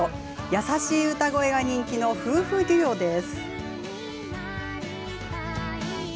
優しい歌声が人気の夫婦デュオです。